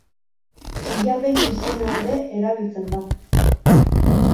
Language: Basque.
Txillardegi izena ere erabiltzen da.